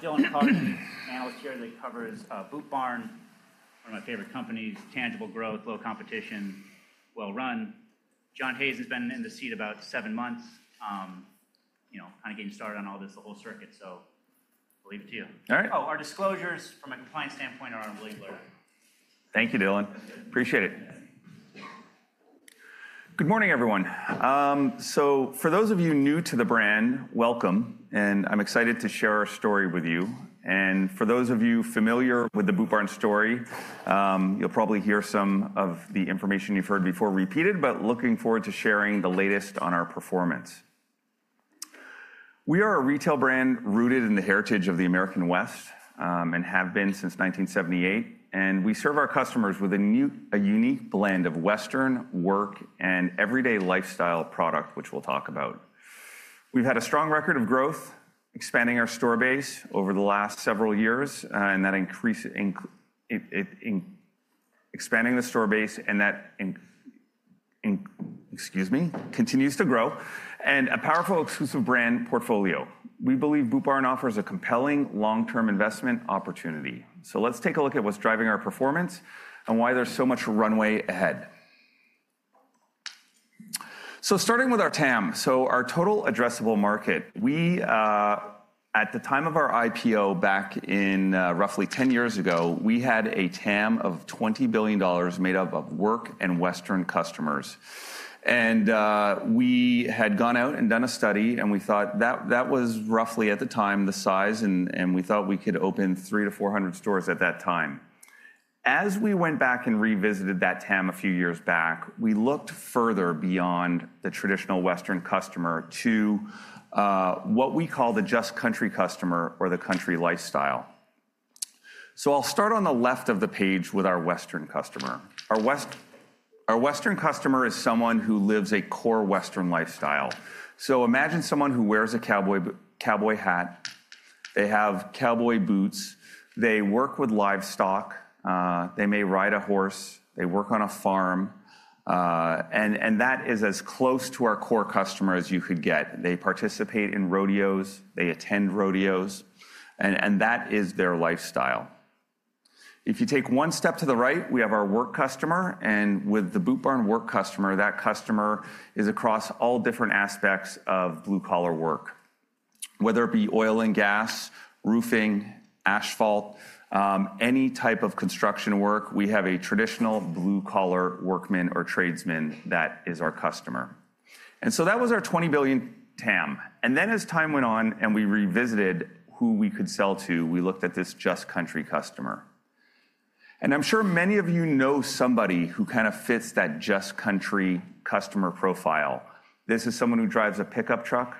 John Conroy is analyst here that covers Boot Barn, one of my favorite companies: tangible growth, low competition, well-run. John Hazen's been in the seat about seven months, kind of getting started on all this, the whole circuit. So I'll leave it to you. All right. Oh, our disclosures from a compliance standpoint are on a legal errand. Thank you, Dylan. Appreciate it. Good morning, everyone. For those of you new to the brand, welcome. I'm excited to share our story with you. For those of you familiar with the Boot Barn story, you'll probably hear some of the information you've heard before repeated, but looking forward to sharing the latest on our performance. We are a retail brand rooted in the heritage of the American West and have been since 1978. We serve our customers with a unique blend of Western, work, and everyday lifestyle product, which we'll talk about. We've had a strong record of growth, expanding our store base over the last several years, and that expanding the store base continues to grow, and a powerful exclusive brand portfolio. We believe Boot Barn offers a compelling long-term investment opportunity. Let's take a look at what's driving our performance and why there's so much runway ahead. Starting with our TAM. Our total addressable market, at the time of our IPO back in roughly 10 years ago, we had a TAM of $20 billion made up of work and Western customers. We had gone out and done a study, and we thought that was roughly at the time the size, and we thought we could open 300-400 stores at that time. As we went back and revisited that TAM a few years back, we looked further beyond the traditional Western customer to what we call the just Country customer or the Country lifestyle. I'll start on the left of the page with our Western customer. Our Western customer is someone who lives a core Western lifestyle. Imagine someone who wears a cowboy hat. They have cowboy boots. They work with livestock. They may ride a horse. They work on a farm. That is as close to our core customer as you could get. They participate in rodeos. They attend rodeos. That is their lifestyle. If you take one step to the right, we have our work customer. With the Boot Barn work customer, that customer is across all different aspects of blue-collar work, whether it be oil and gas, roofing, asphalt, any type of construction work. We have a traditional blue-collar workman or tradesman that is our customer. That was our $20 billion TAM. As time went on and we revisited who we could sell to, we looked at this just country customer. I'm sure many of you know somebody who kind of fits that just country customer profile. This is someone who drives a pickup truck.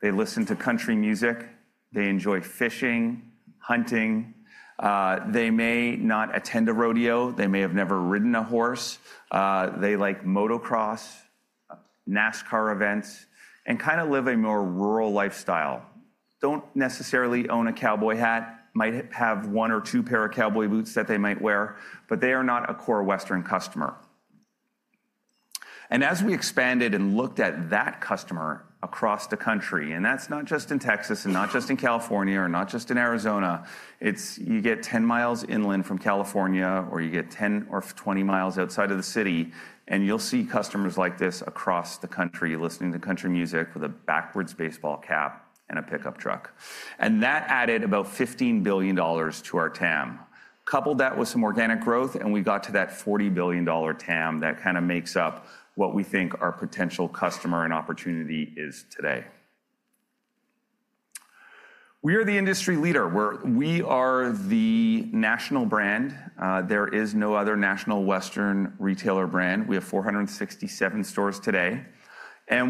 They listen to country music. They enjoy fishing, hunting. They may not attend a rodeo. They may have never ridden a horse. They like motocross, NASCAR events, and kind of live a more rural lifestyle. Do not necessarily own a cowboy hat. Might have one or two pair of cowboy boots that they might wear, but they are not a core Western customer. As we expanded and looked at that customer across the country, and that is not just in Texas and not just in California or not just in Arizona, you get 10 mi inland from California or you get 10-20 mi outside of the city, and you will see customers like this across the country listening to Country Music with a backwards baseball cap and a pickup truck. That added about $15 billion to our TAM. Couple that with some organic growth, and we got to that $40 billion TAM that kind of makes up what we think our potential customer and opportunity is today. We are the industry leader. We are the national brand. There is no other national Western retailer brand. We have 467 stores today.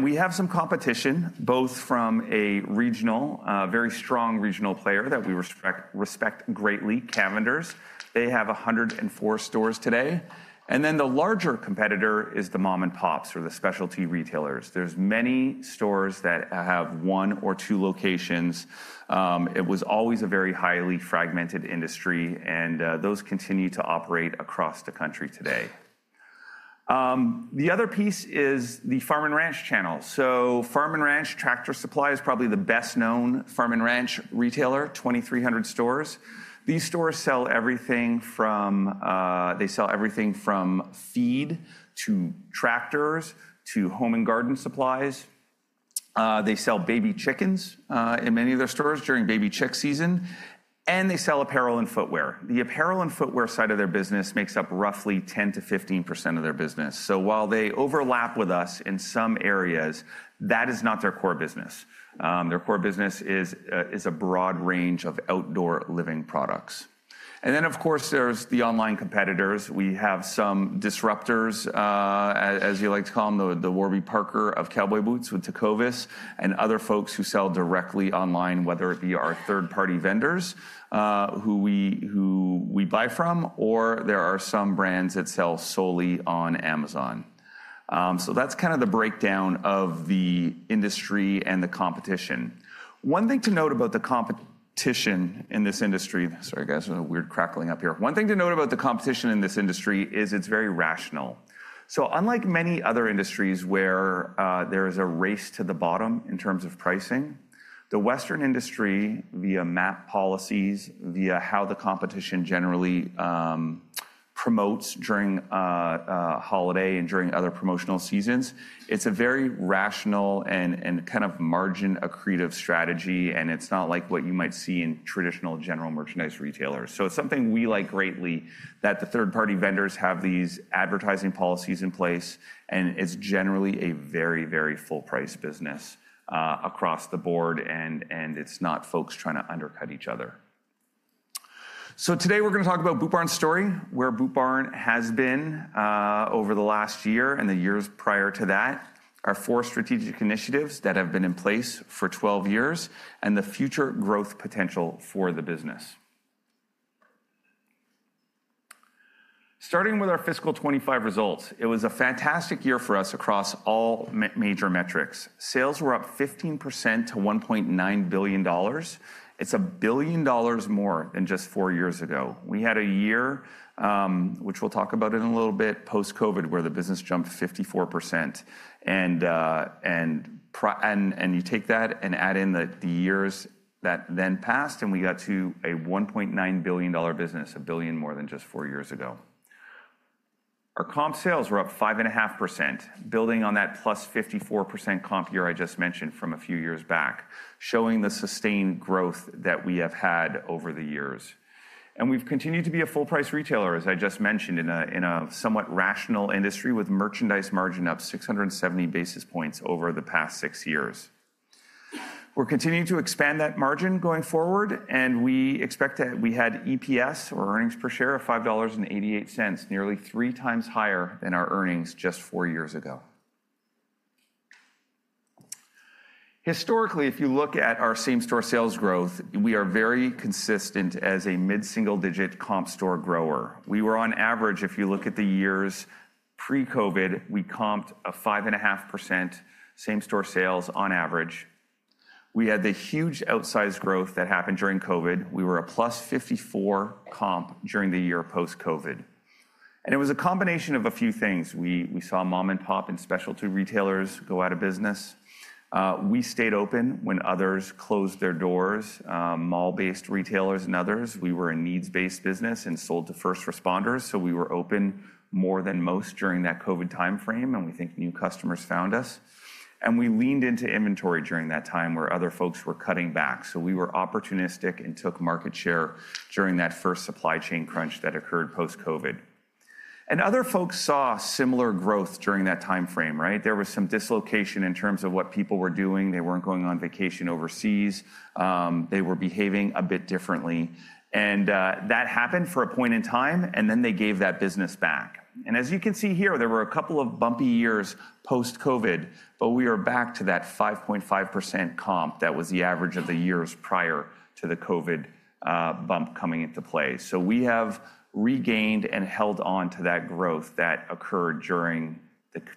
We have some competition, both from a regional, very strong regional player that we respect greatly, Cavender's. They have 104 stores today. The larger competitor is the mom-and-pops or the specialty retailers. There are many stores that have one or two locations. It was always a very highly fragmented industry, and those continue to operate across the country today. The other piece is the Farm and Ranch channel. Farm and Ranch Tractor Supply is probably the best-known Farm and Ranch retailer, 2,300 stores. These stores sell everything from feed to tractors to home and garden supplies. They sell baby chickens in many of their stores during baby chick season. They sell apparel and footwear. The apparel and footwear side of their business makes up roughly 10%-15% of their business. While they overlap with us in some areas, that is not their core business. Their core business is a broad range of outdoor living products. Of course, there are the online competitors. We have some disruptors, as you like to call them, the Warby Parker of cowboy boots with Tecovas and other folks who sell directly online, whether it be our third-party vendors who we buy from, or there are some brands that sell solely on Amazon. That is kind of the breakdown of the industry and the competition. One thing to note about the competition in this industry—sorry, guys, there's a weird crackling up here. One thing to note about the competition in this industry is it's very rational. Unlike many other industries where there is a race to the bottom in terms of pricing, the Western industry, via MAP policies, via how the competition generally promotes during holiday and during other promotional seasons, it's a very rational and kind of margin-accretive strategy. It's not like what you might see in traditional general merchandise retailers. It's something we like greatly that the third-party vendors have these advertising policies in place. It's generally a very, very full-price business across the board. It's not folks trying to undercut each other. Today we're going to talk about Boot Barn's story, where Boot Barn has been over the last year and the years prior to that, our four strategic initiatives that have been in place for 12 years, and the future growth potential for the business. Starting with our fiscal 2025 results, it was a fantastic year for us across all major metrics. Sales were up 15% to $1.9 billion. It's a billion dollars more than just four years ago. We had a year, which we'll talk about in a little bit, post-COVID, where the business jumped 54%. You take that and add in the years that then passed, and we got to a $1.9 billion business, a billion more than just four years ago. Our comp sales were up 5.5%, building on that +54% comp year I just mentioned from a few years back, showing the sustained growth that we have had over the years. We have continued to be a full-price retailer, as I just mentioned, in a somewhat rational industry with merchandise margin up 670 basis points over the past six years. We are continuing to expand that margin going forward. We expect that we had EPS, or earnings per share, of $5.88, nearly 3x higher than our earnings just four years ago. Historically, if you look at our same-store sales growth, we are very consistent as a mid-single-digit comp store grower. We were, on average, if you look at the years pre-COVID, we comped a 5.5% same-store sales on average. We had the huge outsized growth that happened during COVID. We were a +54% comp during the year post-COVID. It was a combination of a few things. We saw mom-and-pop and specialty retailers go out of business. We stayed open when others closed their doors, mall-based retailers and others. We were a needs-based business and sold to first responders. We were open more than most during that COVID time frame. We think new customers found us. We leaned into inventory during that time where other folks were cutting back. We were opportunistic and took market share during that first supply chain crunch that occurred post-COVID. Other folks saw similar growth during that time frame, right? There was some dislocation in terms of what people were doing. They were not going on vacation overseas. They were behaving a bit differently. That happened for a point in time. Then they gave that business back. As you can see here, there were a couple of bumpy years post-COVID. We are back to that 5.5% comp that was the average of the years prior to the COVID bump coming into play. We have regained and held on to that growth that occurred during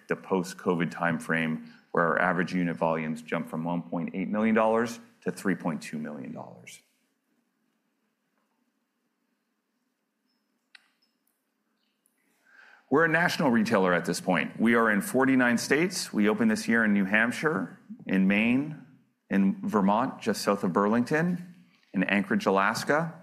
the post-COVID time frame where our average unit volumes jumped from $1.8 million to $3.2 million. We're a national retailer at this point. We are in 49 states. We opened this year in New Hampshire, in Maine, in Vermont, just south of Burlington, in Anchorage, Alaska.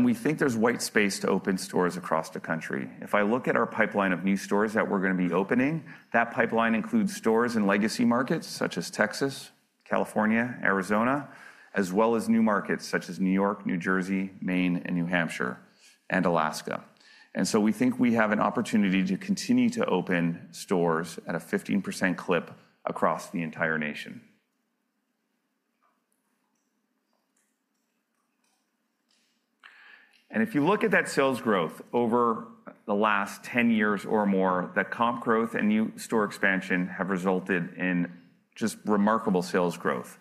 We think there is white space to open stores across the country. If I look at our pipeline of new stores that we're going to be opening, that pipeline includes stores in legacy markets such as Texas, California, Arizona, as well as new markets such as New York, New Jersey, Maine, New Hampshire, and Alaska. We think we have an opportunity to continue to open stores at a 15% clip across the entire nation. If you look at that sales growth over the last 10 years or more, that comp growth and new store expansion have resulted in just remarkable sales growth.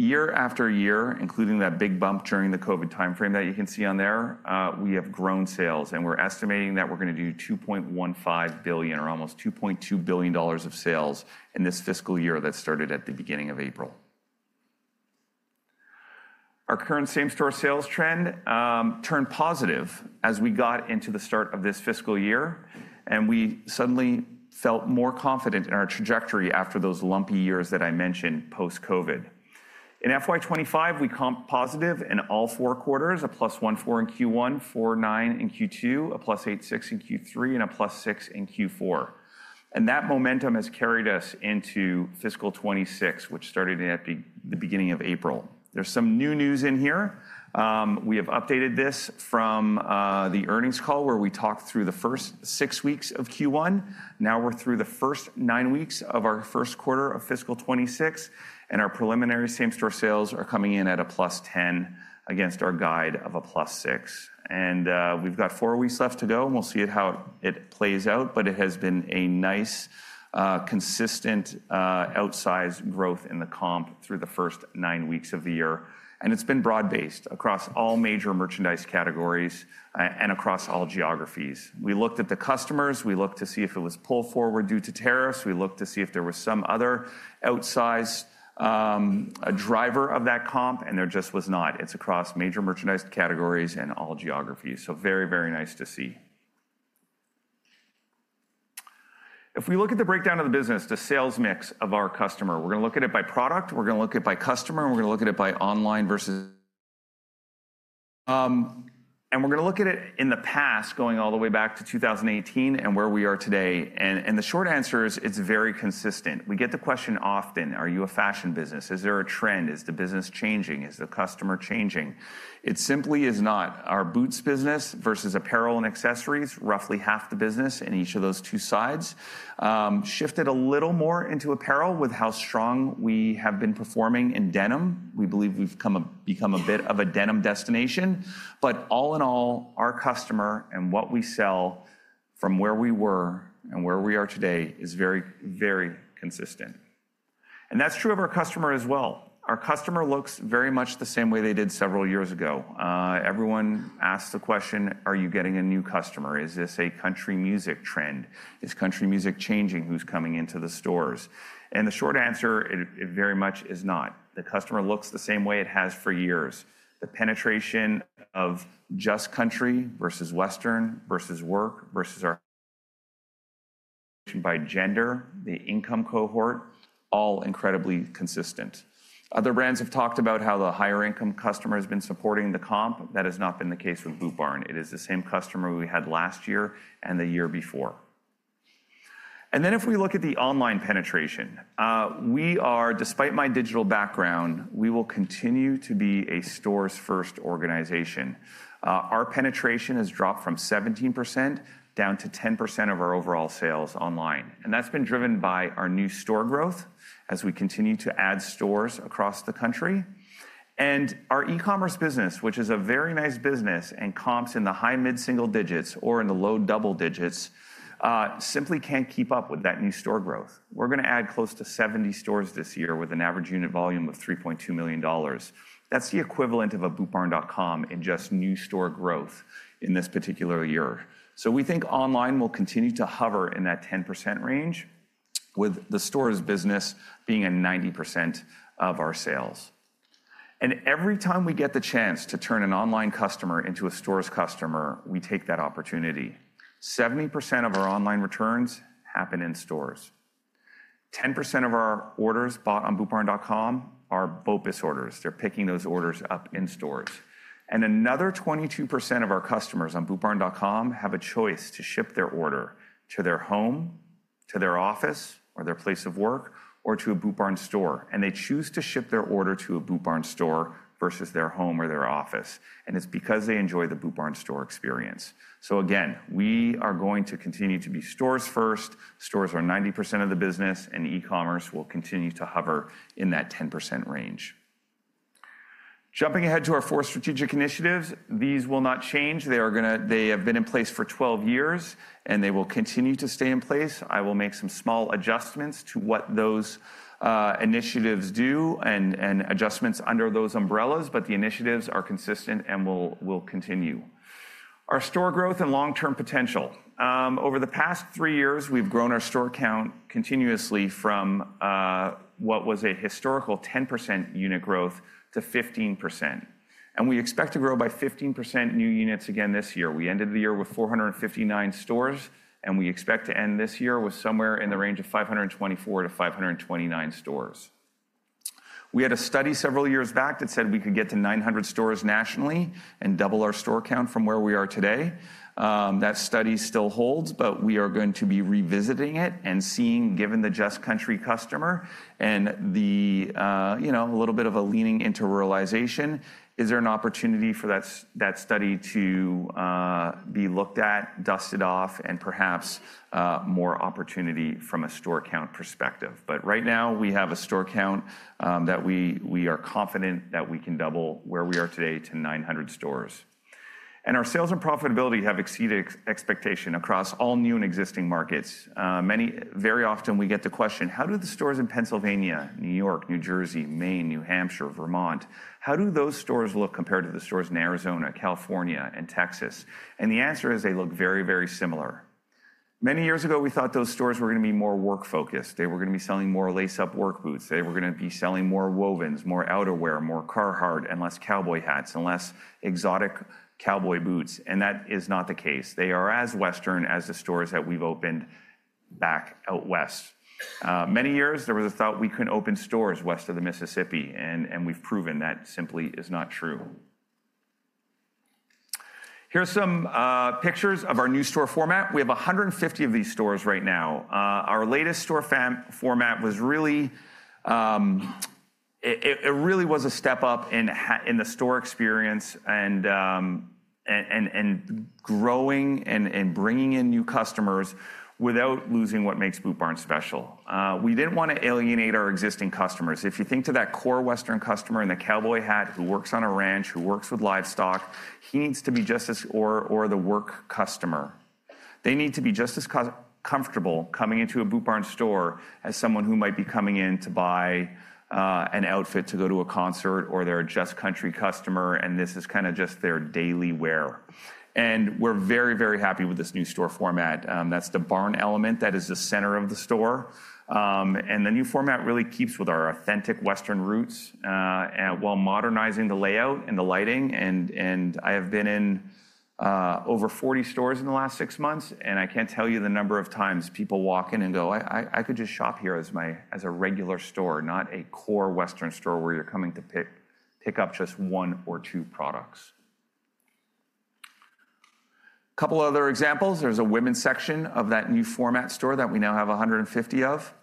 Year-after-year, including that big bump during the COVID time frame that you can see on there, we have grown sales. We're estimating that we're going to do $2.15 billion or almost $2.2 billion of sales in this fiscal year that started at the beginning of April. Our current same-store sales trend turned positive as we got into the start of this fiscal year. We suddenly felt more confident in our trajectory after those lumpy years that I mentioned post-COVID. In fiscal 2025, we comped positive in all four quarters, a +1.4% in Q1, 4.9% in Q2, a +8.6% in Q3, and a +6% in Q4. That momentum has carried us into fiscal 2026, which started at the beginning of April. There is some new news in here. We have updated this from the earnings call where we talked through the first six weeks of Q1. Now we are through the first nine weeks of our first quarter of fiscal 2026, and our preliminary same-store sales are coming in at a +10% against our guide of a +6%. We have four weeks left to go, and we will see how it plays out. It has been a nice, consistent outsized growth in the comp through the first nine weeks of the year. It's been broad-based across all major merchandise categories and across all geographies. We looked at the customers. We looked to see if it was pulled forward due to tariffs. We looked to see if there was some other outsized driver of that comp. There just was not. It's across major merchandise categories and all geographies. Very, very nice to see. If we look at the breakdown of the business, the sales mix of our customer, we're going to look at it by product. We're going to look at it by customer. We're going to look at it by online versus, and we're going to look at it in the past, going all the way back to 2018 and where we are today. The short answer is it's very consistent. We get the question often, are you a fashion business? Is there a trend? Is the business changing? Is the customer changing? It simply is not. Our boots business versus apparel and accessories, roughly half the business in each of those two sides, shifted a little more into apparel with how strong we have been performing in denim. We believe we've become a bit of a denim destination. All in all, our customer and what we sell from where we were and where we are today is very, very consistent. That is true of our customer as well. Our customer looks very much the same way they did several years ago. Everyone asks the question, are you getting a new customer? Is this a Country Music trend? Is Country Music changing? Who's coming into the stores? The short answer, it very much is not. The customer looks the same way it has for years. The penetration of just Country versus Western versus work versus our by gender, the income cohort, all incredibly consistent. Other brands have talked about how the higher-income customer has been supporting the comp. That has not been the case with Boot Barn. It is the same customer we had last year and the year before. If we look at the online penetration, we are, despite my digital background, we will continue to be a stores-first organization. Our penetration has dropped from 17% down to 10% of our overall sales online. That has been driven by our new store growth as we continue to add stores across the country. Our e-commerce business, which is a very nice business and comps in the high mid-single digits or in the low double digits, simply cannot keep up with that new store growth. We are going to add close to 70 stores this year with an average unit volume of $3.2 million. That is the equivalent of a bootbarn.com in just new store growth in this particular year. We think online will continue to hover in that 10% range, with the stores business being at 90% of our sales. Every time we get the chance to turn an online customer into a stores customer, we take that opportunity. 70% of our online returns happen in stores. 10% of our orders bought on bootbarn.com are BOPIS orders. They are picking those orders up in stores. Another 22% of our customers on bootbarn.com have a choice to ship their order to their home, to their office, or their place of work, or to a Boot Barn store. They choose to ship their order to a Boot Barn store versus their home or their office. It is because they enjoy the Boot Barn store experience. Again, we are going to continue to be stores-first. Stores are 90% of the business. E-commerce will continue to hover in that 10% range. Jumping ahead to our four strategic initiatives, these will not change. They have been in place for 12 years. They will continue to stay in place. I will make some small adjustments to what those initiatives do and adjustments under those umbrellas. The initiatives are consistent and will continue. Our store growth and long-term potential. Over the past three years, we've grown our store count continuously from what was a historical 10% unit growth to 15%. We expect to grow by 15% new units again this year. We ended the year with 459 stores. We expect to end this year with somewhere in the range of 524-529 stores. We had a study several years back that said we could get to 900 stores nationally and double our store count from where we are today. That study still holds. We are going to be revisiting it and seeing, given the just country customer and a little bit of a leaning into ruralization, is there an opportunity for that study to be looked at, dusted off, and perhaps more opportunity from a store count perspective. Right now, we have a store count that we are confident that we can double where we are today to 900 stores. Our sales and profitability have exceeded expectation across all new and existing markets. Very often, we get the question, how do the stores in Pennsylvania, New York, New Jersey, Maine, New Hampshire, Vermont, how do those stores look compared to the stores in Arizona, California, and Texas? The answer is they look very, very similar. Many years ago, we thought those stores were going to be more work-focused. They were going to be selling more lace-up work boots. They were going to be selling more wovens, more outerwear, more Carhartt, and less cowboy hats, and less exotic cowboy boots. That is not the case. They are as Western as the stores that we have opened back out west. Many years, there was a thought we couldn't open stores west of the Mississippi. We've proven that simply is not true. Here are some pictures of our new store format. We have 150 of these stores right now. Our latest store format was really a step up in the store experience and growing and bringing in new customers without losing what makes Boot Barn special. We didn't want to alienate our existing customers. If you think to that core Western customer in the cowboy hat who works on a ranch, who works with livestock, he needs to be just as or the work customer. They need to be just as comfortable coming into a Boot Barn store as someone who might be coming in to buy an outfit to go to a concert or their just country customer. This is kind of just their daily wear. We are very, very happy with this new store format. That is the barn element that is the center of the store. The new format really keeps with our authentic Western roots while modernizing the layout and the lighting. I have been in over 40 stores in the last six months. I cannot tell you the number of times people walk in and go, "I could just shop here as a regular store, not a core Western store where you are coming to pick up just one or two products." A couple of other examples. There is a women's section of that new format store that we now have 150 of.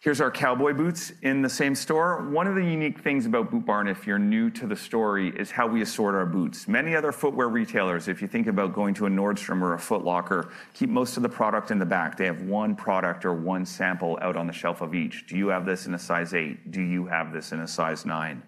Here are our cowboy boots in the same store. One of the unique things about Boot Barn, if you are new to the story, is how we assort our boots. Many other footwear retailers, if you think about going to a Nordstrom or a Foot Locker, keep most of the product in the back. They have one product or one sample out on the shelf of each. Do you have this in a size 8? Do you have this in a size 9?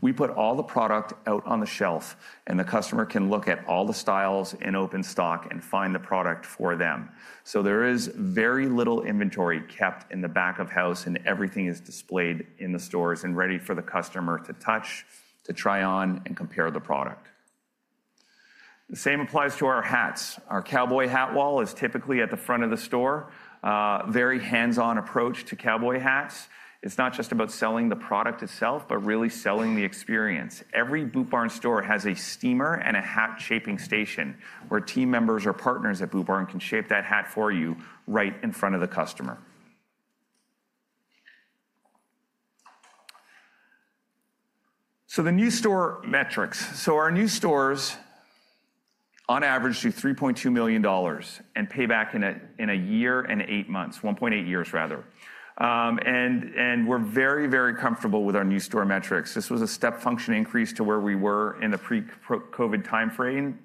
We put all the product out on the shelf. The customer can look at all the styles and open stock and find the product for them. There is very little inventory kept in the back of house. Everything is displayed in the stores and ready for the customer to touch, to try on, and compare the product. The same applies to our hats. Our cowboy hat wall is typically at the front of the store. Very hands-on approach to cowboy hats. It's not just about selling the product itself, but really selling the experience. Every Boot Barn store has a steamer and a hat shaping station where team members or partners at Boot Barn can shape that hat for you right in front of the customer. The new store metrics. Our new stores, on average, do $3.2 million and pay back in a year and eight months, 1.8 years, rather. We are very, very comfortable with our new store metrics. This was a step function increase to where we were in the pre-COVID time frame.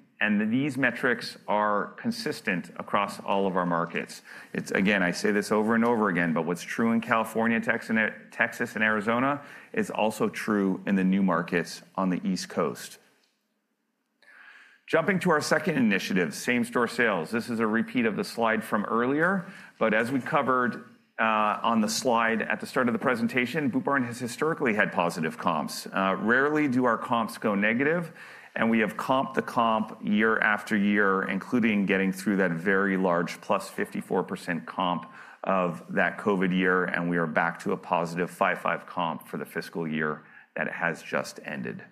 These metrics are consistent across all of our markets. I say this over and over again. What's true in California, Texas, and Arizona is also true in the new markets on the East Coast. Jumping to our second initiative, same-store sales. This is a repeat of the slide from earlier. As we covered on the slide at the start of the presentation, Boot Barn has historically had positive comps. Rarely do our comps go negative. We have comped the comp year after year, including getting through that very large +54% comp of that COVID year. We are back to a +5.5% comp for the fiscal year that has just ended.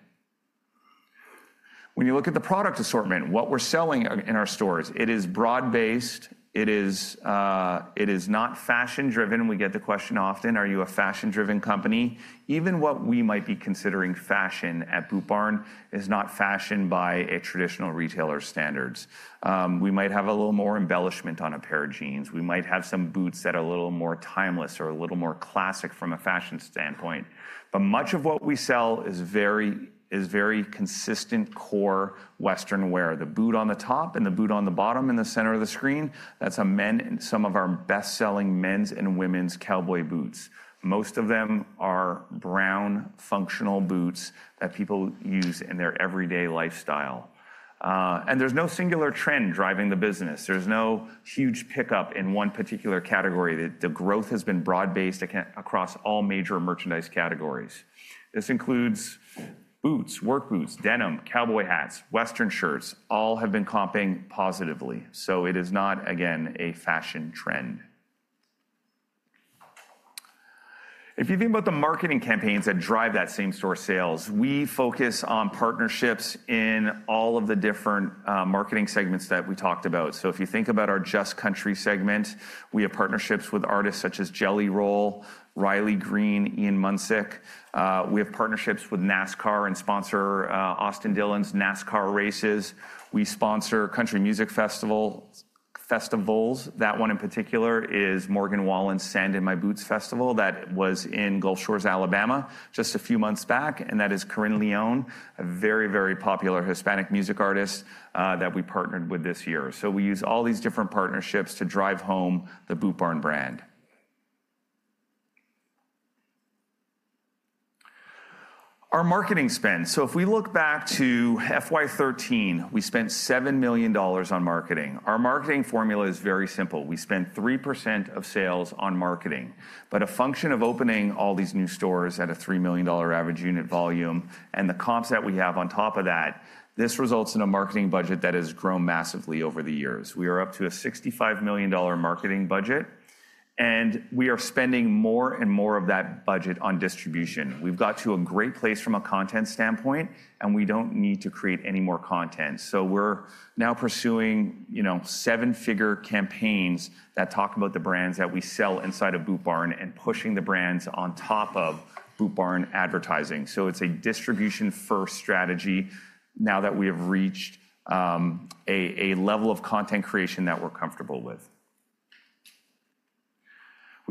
When you look at the product assortment, what we're selling in our stores, it is broad-based. It is not fashion-driven. We get the question often, are you a fashion-driven company? Even what we might be considering fashion at Boot Barn is not fashion by a traditional retailer's standards. We might have a little more embellishment on a pair of jeans. We might have some boots that are a little more timeless or a little more classic from a fashion standpoint. Much of what we sell is very consistent core Western wear. The boot on the top and the boot on the bottom in the center of the screen, that's some of our best-selling men's and women's cowboy boots. Most of them are brown functional boots that people use in their everyday lifestyle. There is no singular trend driving the business. There is no huge pickup in one particular category. The growth has been broad-based across all major merchandise categories. This includes boots, work boots, denim, cowboy hats, Western shirts. All have been comping positively. It is not, again, a fashion trend. If you think about the marketing campaigns that drive that same-store sales, we focus on partnerships in all of the different marketing segments that we talked about. If you think about our just country segment, we have partnerships with artists such as Jelly Roll, Riley Green, Ian Munsick. We have partnerships with NASCAR and sponsor Austin Dillon's NASCAR races. We sponsor country music festivals. That one in particular is Morgan Wallen's Sand in My Boots Festival that was in Gulf Shores, Alabama, just a few months back. That is Carin Leon, a very, very popular Hispanic music artist that we partnered with this year. We use all these different partnerships to drive home the Boot Barn brand. Our marketing spend. If we look back to FY2013, we spent $7 million on marketing. Our marketing formula is very simple. We spent 3% of sales on marketing. A function of opening all these new stores at a $3 million average unit volume and the comps that we have on top of that, this results in a marketing budget that has grown massively over the years. We are up to a $65 million marketing budget. We are spending more and more of that budget on distribution. We have got to a great place from a content standpoint. We do not need to create any more content. We are now pursuing seven-figure campaigns that talk about the brands that we sell inside of Boot Barn and pushing the brands on top of Boot Barn advertising. It is a distribution-first strategy now that we have reached a level of content creation that we are comfortable with.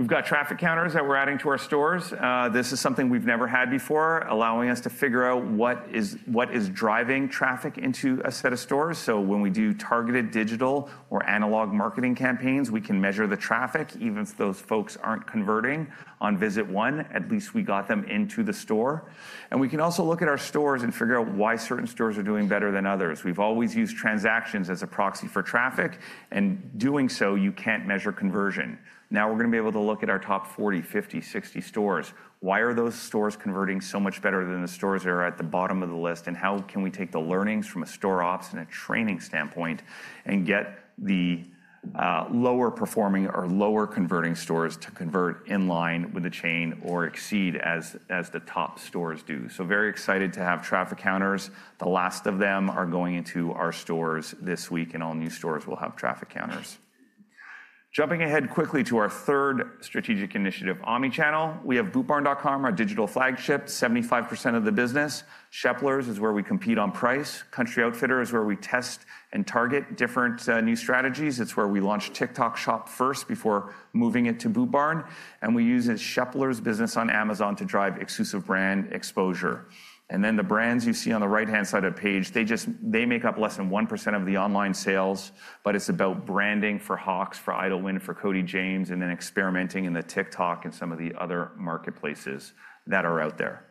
We have got traffic counters that we are adding to our stores. This is something we've never had before, allowing us to figure out what is driving traffic into a set of stores. When we do targeted digital or analog marketing campaigns, we can measure the traffic, even if those folks aren't converting on visit one. At least we got them into the store. We can also look at our stores and figure out why certain stores are doing better than others. We've always used transactions as a proxy for traffic. Doing so, you can't measure conversion. Now we're going to be able to look at our top 40, 50, 60 stores. Why are those stores converting so much better than the stores that are at the bottom of the list? How can we take the learnings from a store ops and a training standpoint and get the lower performing or lower converting stores to convert in line with the chain or exceed as the top stores do? Very excited to have traffic counters. The last of them are going into our stores this week. All new stores will have traffic counters. Jumping ahead quickly to our third strategic initiative, Omnichannel. We have bootbarn.com, our digital flagship, 75% of the business. Sheplers is where we compete on price. Country Outfitter is where we test and target different new strategies. It is where we launched TikTok Shop first before moving it to Boot Barn. We use Sheplers business on Amazon to drive exclusive brand exposure. The brands you see on the right-hand side of the page make up less than 1% of the online sales. It is about branding for Hawks, for Idlewind, for Cody James, and then experimenting in the TikTok and some of the other marketplaces that are out there.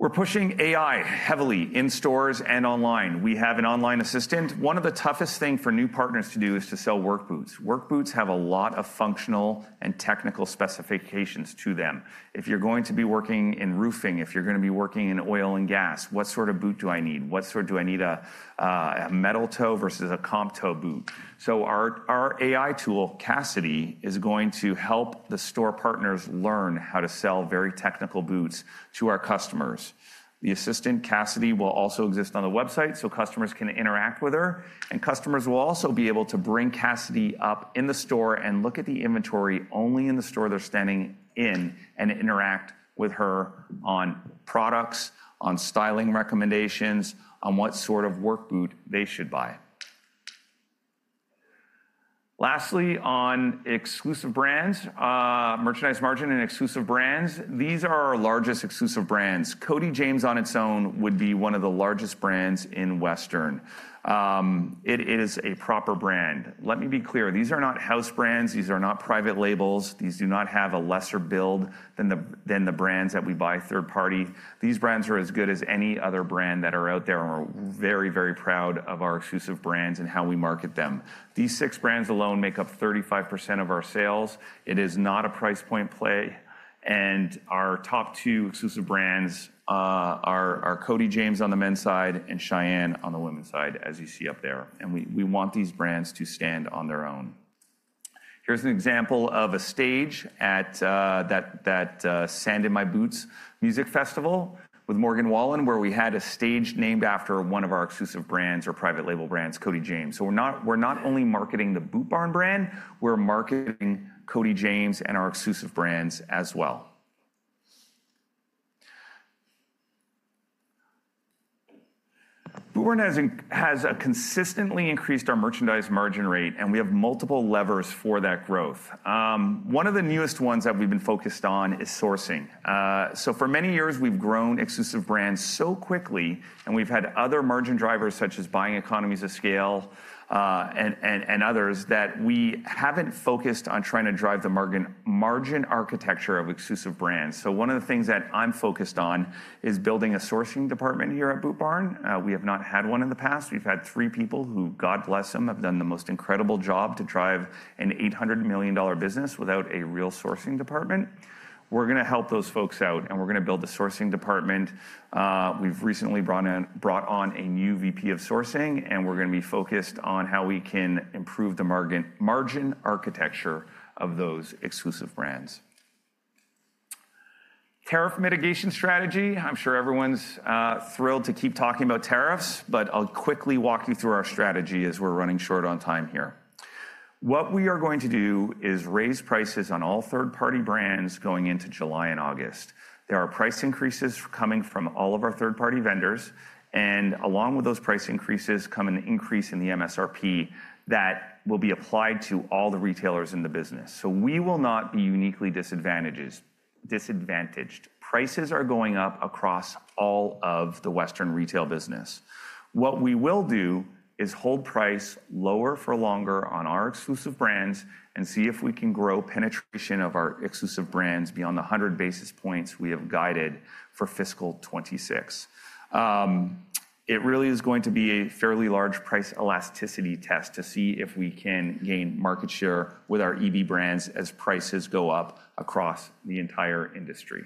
We are pushing AI heavily in stores and online. We have an online assistant. One of the toughest things for new partners to do is to sell work boots. Work boots have a lot of functional and technical specifications to them. If you are going to be working in roofing, if you are going to be working in oil and gas, what sort of boot do I need? What sort do I need, a metal toe versus a comp toe boot? Our AI tool, Cassidy, is going to help the store partners learn how to sell very technical boots to our customers. The assistant, Cassidy, will also exist on the website so customers can interact with her. Customers will also be able to bring Cassidy up in the store and look at the inventory only in the store they're standing in and interact with her on products, on styling recommendations, on what sort of work boot they should buy. Lastly, on exclusive brands, merchandise margin and exclusive brands, these are our largest exclusive brands. Cody James, on its own, would be one of the largest brands in Western. It is a proper brand. Let me be clear. These are not house brands. These are not private labels. These do not have a lesser build than the brands that we buy third-party. These brands are as good as any other brand that are out there. We're very, very proud of our exclusive brands and how we market them. These six brands alone make up 35% of our sales. It is not a price point play. Our top two exclusive brands are Cody James on the men's side and Shyanne on the women's side, as you see up there. We want these brands to stand on their own. Here's an example of a stage at that Sand in My Boots Music Festival with Morgan Wallen, where we had a stage named after one of our exclusive brands or private label brands, Cody James. We are not only marketing the Boot Barn brand. We are marketing Cody James and our exclusive brands as well. Boot Barn has consistently increased our merchandise margin rate. We have multiple levers for that growth. One of the newest ones that we have been focused on is sourcing. For many years, we have grown exclusive brands so quickly. We have had other margin drivers, such as buying economies of scale and others, that we have not focused on trying to drive the margin architecture of exclusive brands. One of the things that I am focused on is building a sourcing department here at Boot Barn. We have not had one in the past. We have had three people who, God bless them, have done the most incredible job to drive an $800 million business without a real sourcing department. We are going to help those folks out. We are going to build a sourcing department. We have recently brought on a new VP of sourcing. We are going to be focused on how we can improve the margin architecture of those exclusive brands. Tariff mitigation strategy. I am sure everyone is thrilled to keep talking about tariffs. I will quickly walk you through our strategy as we are running short on time here. What we are going to do is raise prices on all third-party brands going into July and August. There are price increases coming from all of our third-party vendors. Along with those price increases comes an increase in the MSRP that will be applied to all the retailers in the business. We will not be uniquely disadvantaged. Prices are going up across all of the Western retail business. What we will do is hold price lower for longer on our exclusive brands and see if we can grow penetration of our exclusive brands beyond the 100 basis points we have guided for fiscal 2026. It really is going to be a fairly large price elasticity test to see if we can gain market share with our exclusive brands as prices go up across the entire industry.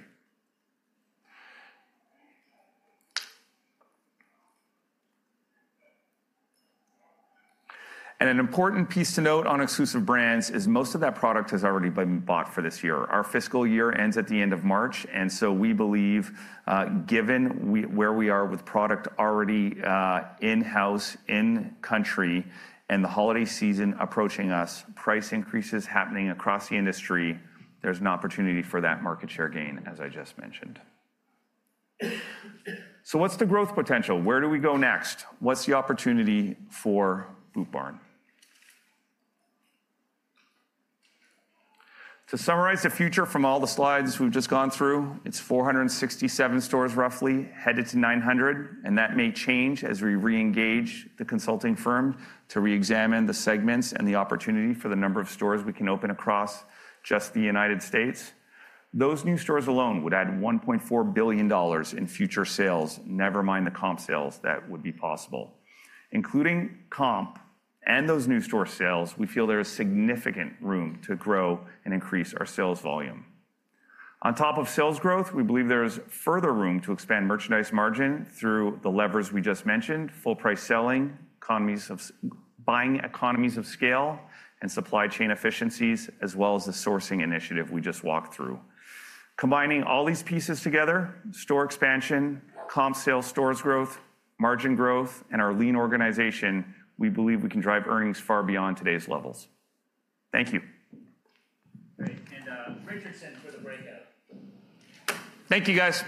An important piece to note on exclusive brands is most of that product has already been bought for this year. Our fiscal year ends at the end of March. We believe, given where we are with product already in-house, in-country, and the holiday season approaching us, price increases happening across the industry, there is an opportunity for that market share gain, as I just mentioned. What is the growth potential? Where do we go next? What is the opportunity for Boot Barn? To summarize the future from all the slides we have just gone through, it is 467 stores roughly headed to 900. That may change as we re-engage the consulting firm to re-examine the segments and the opportunity for the number of stores we can open across just the United States. Those new stores alone would add $1.4 billion in future sales, never mind the comp sales that would be possible. Including comp and those new store sales, we feel there is significant room to grow and increase our sales volume. On top of sales growth, we believe there is further room to expand merchandise margin through the levers we just mentioned, full-price selling, economies of scale, and supply chain efficiencies, as well as the sourcing initiative we just walked through. Combining all these pieces together, store expansion, comp sales, stores growth, margin growth, and our lean organization, we believe we can drive earnings far beyond today's levels. Thank you. Great. And Richardson for the breakout. Thank you, guys.